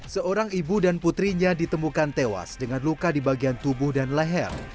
seorang ibu dan putrinya ditemukan tewas dengan luka di bagian tubuh dan leher